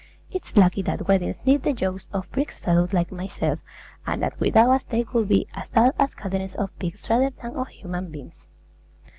It's lucky that weddings need the jokes of brisk fellows like myself, and that without us they would be as dull as gatherings of pigs rather than of human beings!